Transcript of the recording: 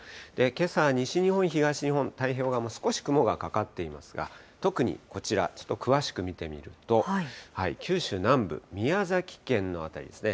けさ、西日本、東日本、太平洋側も少し雲がかかっていますが、特にこちら、ちょっと詳しく見てみると、九州南部、宮崎県の辺りですね。